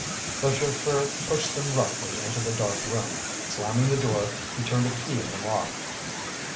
The chauffeur pushed them roughly into the dark room. Slamming the door, he turned a key in the lock.